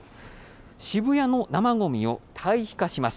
渋谷の生ごみを堆肥化します。